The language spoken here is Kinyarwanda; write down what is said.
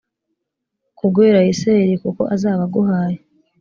ku bw uwera wa isirayeli kuko azaba aguhaye